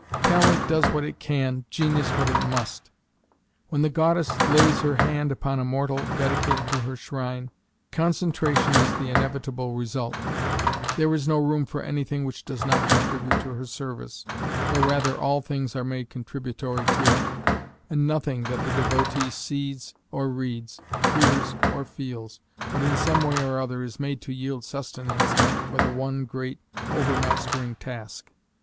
"Talent does what it can, genius what it must." When the goddess lays her hand upon a mortal dedicated to her shrine, concentration is the inevitable result; there is no room for anything which does not contribute to her service, or rather all things are made contributory to it, and nothing that the devotee sees or reads, hears or feels, but some way or other is made to yield sustenance for the one great, overmastering task.